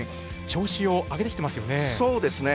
調子を上げてきてますよね。